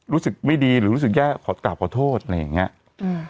รู้สึกไม่ดีหรือรู้สึกแย่ขอกราบขอโทษอะไรอย่างเงี้ยอืม